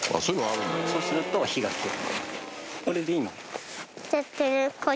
そうすると火が消える。